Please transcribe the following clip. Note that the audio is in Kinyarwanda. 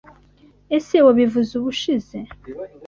Ese Wabivuze ubushize.